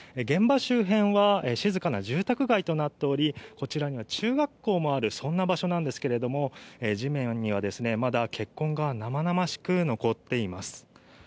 現場周辺は静かな住宅街となっており、こちらには中学校もある、そんな場所なんですけれども、地面にはですね、まだ血痕が生々しく残っています。